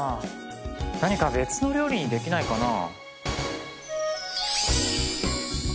何か別の料理にできないかな？